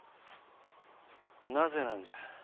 なぜなんじゃ。